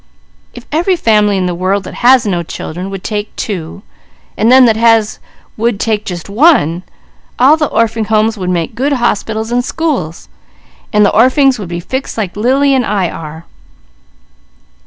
If every family in the world that has no children would take two, and them that has would take just one, all the Orphings' Homes would make good hospitals and schools; while the orphings would be fixed like Lily and I are.